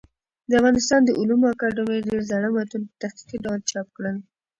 د افغانستان د علومو اکاډمۍ ډېر زاړه متون په تحقيقي ډول چاپ کړل.